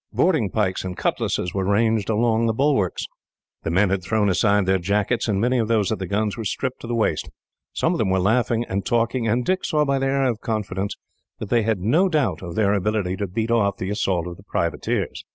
Boarding pikes and cutlasses were ranged along by the bulwarks. The men had thrown aside their jackets, and many of those at the guns were stripped to the waist. Some of them were laughing and talking, and Dick saw, by their air of confidence, that they had no doubt of their ability to beat off the assault of the privateers.